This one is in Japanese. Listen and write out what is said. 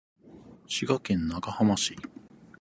滋賀県長浜市